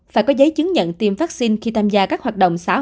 phải có giấy chứng nhận tiêm vaccine khi tham gia các hoạt động xã hội